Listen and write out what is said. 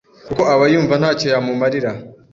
kuko aba yumva ntacyo yamumarira,